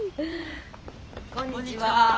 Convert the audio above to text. こんにちは。